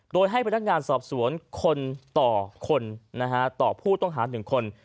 โดยให้พนักงานสอบสวนคนต่อคนต่อผู้ต้องหา๑คน